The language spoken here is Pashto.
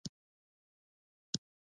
خو په سیریلیون کې دغه ډول بنسټونه ډېر لږ وو.